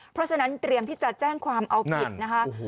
เพราะฉะนั้นเตรียมที่จะแจ้งความเอาผิดนะคะ